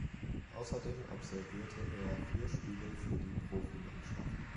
Außerdem absolvierte er vier Spiele für die Profimannschaft.